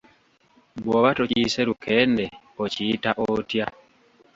Bw'oba tokiyise lukende okiyita otya?